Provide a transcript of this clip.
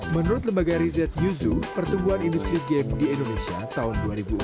menurut lembaga riset yusu pertumbuhan industri game di indonesia tahun dua ribu empat belas